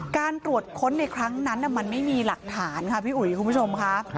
การตรวจค้นในครั้งนั้นมันไม่มีหลักฐานค่ะพี่อุ๋ยคุณผู้ชมค่ะ